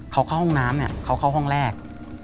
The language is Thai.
เขาเข้าห้องน้ำเนี่ยเขาเข้าห้องแรก